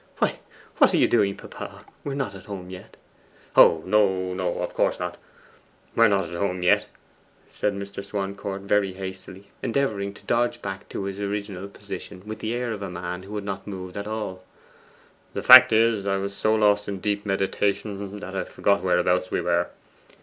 'Why, what are you doing, papa? We are not home yet.' 'Oh no, no; of course not; we are not at home yet,' Mr. Swancourt said very hastily, endeavouring to dodge back to his original position with the air of a man who had not moved at all. 'The fact is I was so lost in deep meditation that I forgot whereabouts we were.